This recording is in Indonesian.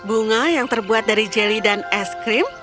bunga yang terbuat dari jelly dan es krim